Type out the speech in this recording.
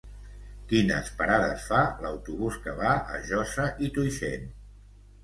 Quines parades fa l'autobús que va a Josa i Tuixén?